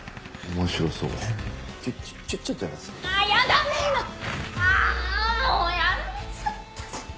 もうやられちゃったじゃん！